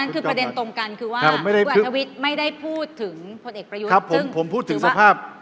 ภูกษาอัฐวิทย์ไม่ได้พูดถึงผลเอกประยุทธฆ์